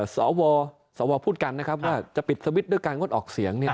สวสวพูดกันนะครับว่าจะปิดสวิตช์ด้วยการงดออกเสียง